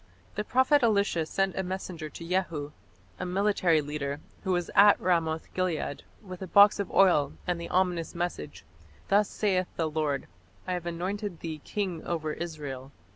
The prophet Elisha sent a messenger to Jehu, a military leader, who was at Ramoth gilead, with a box of oil and the ominous message, "Thus saith the Lord, I have anointed thee king over Israel.